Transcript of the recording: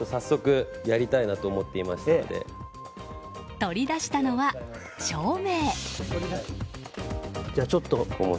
取り出したのは照明。